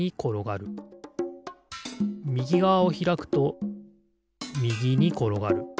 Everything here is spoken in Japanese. みぎがわをひらくとみぎにころがる。